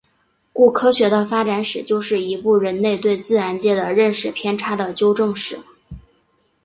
故科学的发展史就是一部人类对自然界的认识偏差的纠正史。